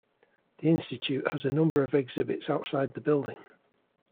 The institute has a number of exhibits outside the building.